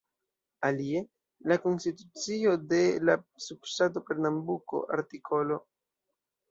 Alie, la konstitucio de subŝtato Pernambuko, art.